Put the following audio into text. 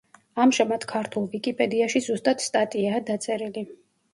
ამჟამად ქართულ ვიკიპედიაში ზუსტად სტატიაა დაწერილი.